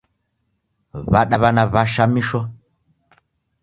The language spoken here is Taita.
W'adaw'ana w'ashamishwa